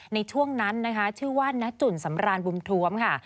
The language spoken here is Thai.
ในช่วงนั้นนะคะชื่อว่าณจุ่นสำรานบุญทวมค่ะ